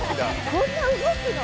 こんな動くの！？